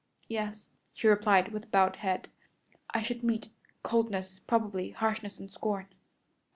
"Yes," she replied with bowed head. "I should meet coldness, probably harshness and scorn."